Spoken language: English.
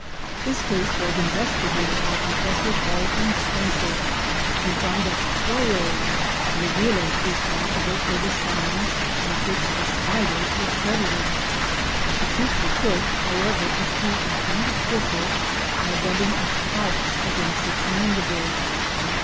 This case was investigated by Professor Baldwin Spencer, who found that quails were really responsible for the sounds with which the spider was credited. The creature could, however, achieve a kind of whistle by rubbing its palps against its mandibles.